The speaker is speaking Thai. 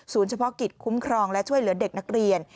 เฉพาะกิจคุ้มครองและช่วยเหลือเด็กนักเรียน